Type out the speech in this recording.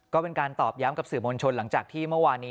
ก็เป็นการตอบย้ำกับสื่อมวลชนหลังจากที่เมื่อวานนี้